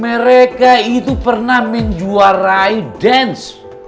mereka itu pernah menjuarai dance